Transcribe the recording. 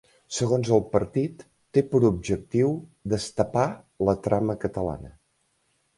Segons el partit té per objectiu ‘destapar la trama catalana’.